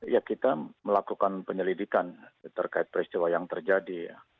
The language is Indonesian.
ya kita melakukan penyelidikan terkait peristiwa yang terjadi